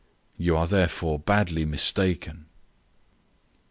You are therefore badly mistaken."